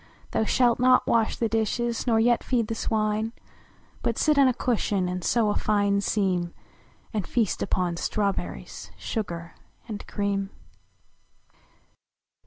Than shalt not wash the dishes, nor yet feed the swine, But sit on a cushion and sew a fine seam, And feast upon strawberries, sugar and cream.